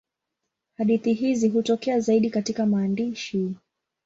Hadithi hizi hutokea zaidi katika maandishi.